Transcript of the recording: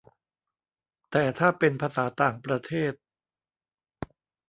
แต่ถ้าเป็นภาษาต่างประเทศ